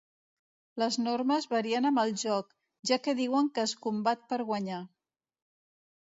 Les normes varien amb el joc, ja que diuen com es combat per guanyar.